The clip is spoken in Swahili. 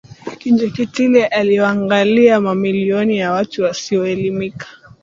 Kinjekitile aliwalaghai mamilioni ya watu wasioelimika